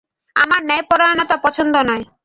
আমার ন্যায়পরায়নতা পছন্দ নয়।